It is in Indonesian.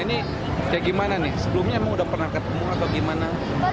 ini kayak gimana nih sebelumnya emang udah pernah ketemu atau gimana